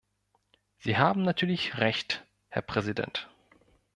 Sie haben natürlich recht, Herr Präsident.